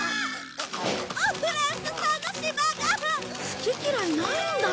好き嫌いないんだ。